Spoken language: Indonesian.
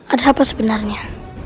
ada apa sebenarnya